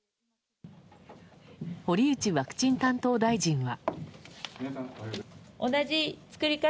堀内ワクチン担当大臣は。